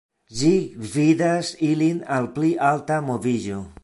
Ĝi gvidas ilin al pli alta moviĝo.